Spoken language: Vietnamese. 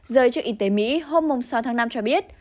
giới chức y tế mỹ hôm sáu tháng năm cho biết